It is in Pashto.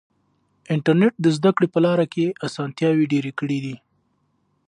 انټرنیټ د زده کړې په لاره کې اسانتیاوې ډېرې کړې دي.